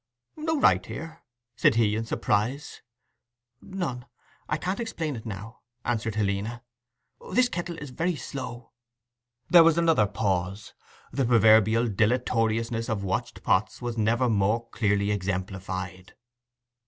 'No right here!' said he in surprise. 'None. I can't explain it now,' answered Helena. 'This kettle is very slow.' There was another pause; the proverbial dilatoriness of watched pots was never more clearly exemplified.